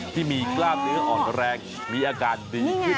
ที่มีกล้ามเนื้ออ่อนแรงมีอาการดีขึ้น